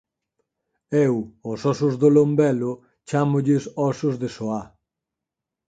Eu aos ósos do lombelo chámolles ósos de soá.